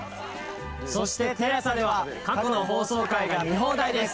そしてＴＥＬＡＳＡでは過去の放送回が見放題です。